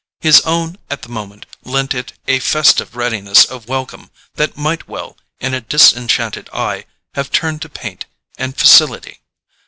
His own, at the moment, lent it a festive readiness of welcome that might well, in a disenchanted eye, have turned to paint and facility.